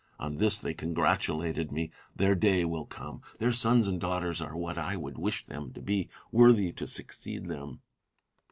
On this they congratulated me. Their day will come. Their sons and daughters are what I would wish them to be : worthy to succeed them.